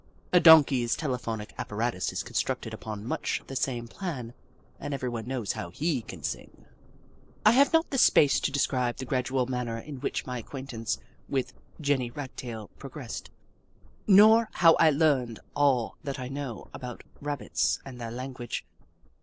A Donkey's telephonic apparatus is constructed upon much the same plan, and everyone knows how he can sing. I have not space to describe the gradual manner in which my acquaintance with Jenny Ragtail progressed, nor how I learned all that I know about Rabbits and their language.